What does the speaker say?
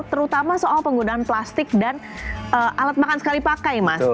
terutama soal penggunaan plastik dan alat makan sekali pakai mas